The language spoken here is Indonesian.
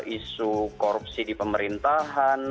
isu korupsi di pemerintahan